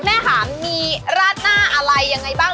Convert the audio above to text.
แม่ขามีลาดหน้าอะไรยังไงบ้าง